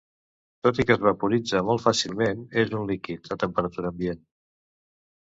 Tot i que es vaporitza molt fàcilment, és un líquid a temperatura ambient.